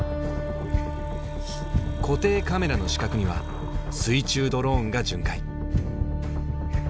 固定カメラの死角には水中ドローンが巡回。